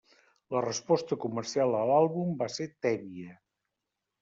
La resposta comercial a l'àlbum va ser tèbia.